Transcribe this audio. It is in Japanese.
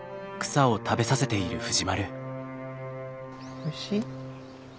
おいしい？